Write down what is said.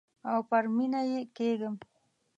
او پر میینه کیږم